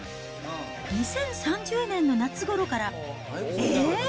２０３０年の夏ごろから、えっ？